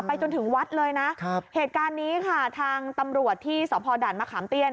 จนถึงวัดเลยนะครับเหตุการณ์นี้ค่ะทางตำรวจที่สพด่านมะขามเตี้ยน